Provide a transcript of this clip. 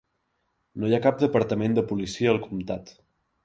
No hi ha cap departament de policia al comtat.